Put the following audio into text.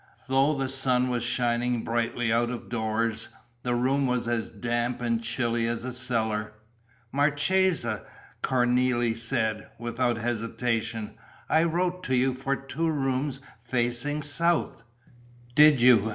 Though the sun was shining brightly out of doors, the room was as damp and chilly as a cellar. "Marchesa," Cornélie said, without hesitation, "I wrote to you for two rooms facing south." "Did you?"